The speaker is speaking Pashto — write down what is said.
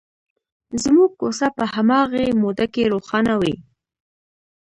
زموږ کوڅه په هماغې موده کې روښانه وي.